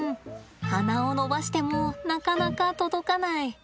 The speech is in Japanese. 鼻を伸ばしてもなかなか届かない。